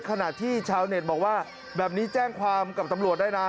ขณะที่ชาวเน็ตบอกว่าแบบนี้แจ้งความกับตำรวจได้นะ